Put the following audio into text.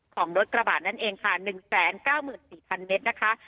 ของรถกระบะนั่นเองค่ะหนึ่งแสนเก้ามือนสี่พันเมตรนะคะ